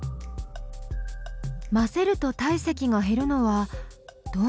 混ぜると体積が減るのはどうして？